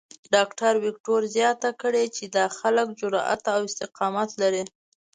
ډاکټر وېکټور زیاته کړې چې دا خلک جرات او استقامت لري.